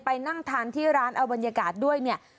นั่งทานที่ร้านเอาบรรยากาศด้วยเนี่ย